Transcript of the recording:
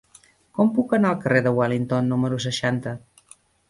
Com puc anar al carrer de Wellington número seixanta?